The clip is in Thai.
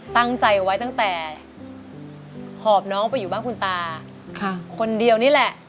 ตั้งใจไว้ตั้งแต่หอบน้องไปอยู่บ้านคุณตาคนเดียวนี่แหละ